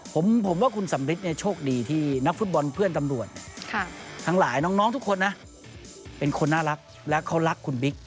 ผมว่าคุณสำริทเนี่ยโชคดีที่นักฟุตบอลเพื่อนตำรวจทั้งหลายน้องทุกคนนะเป็นคนน่ารักและเขารักคุณบิ๊ก